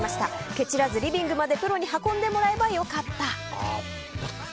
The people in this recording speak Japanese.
ケチらず、リビングまでプロに運んでもらえばよかった。